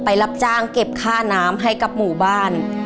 รับจ้างเก็บค่าน้ำให้กับหมู่บ้าน